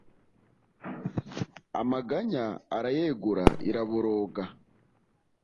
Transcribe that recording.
Amaganya arayegura iraboroga